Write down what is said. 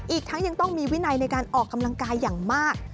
อีกทั้งยังต้องมีวินัยในการออกกำลังกายอย่างมาก